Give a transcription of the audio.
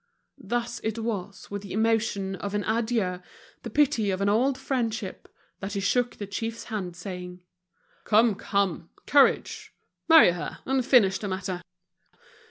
Thus it was with the emotion of an adieu, the pity of an old friendship, that he shook his chief's hand, saying: "Come, come, courage! Marry her, and finish the matter."